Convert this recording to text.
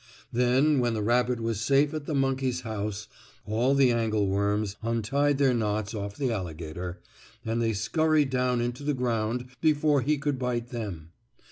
Then, when the rabbit was safe at the monkey's house, all the angle worms untied their knots off the alligator, and they scurried down into the ground before he could bite them.